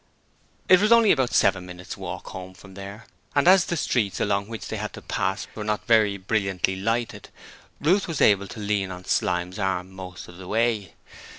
It was only about seven minutes' walk home from there, and as the streets along which they had to pass were not very brilliantly lighted, Ruth was able to lean on Slyme's arm most of the way.